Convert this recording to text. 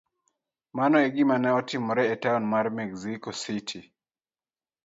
Mano e gima notimore e taon mar Mexico City.